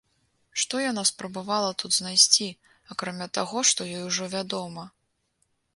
Што яна спрабавала тут знайсці, акрамя таго, што ёй ўжо вядома?